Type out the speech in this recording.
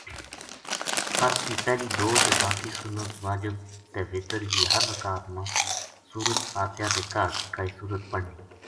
فرض کی پہلی دو تے باقی سنت ،واجب تے وتر کی ہر رکات ما سورت فاتحہ تے کاہڈ کائے سورت پڑھنی